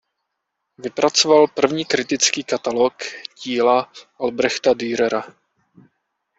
Vypracoval první kritický katalog díla Albrechta Dürera.